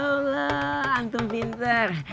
allah antum pintar